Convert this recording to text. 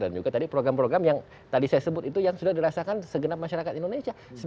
dan juga tadi program program yang tadi saya sebut itu yang sudah dirasakan segenap masyarakat indonesia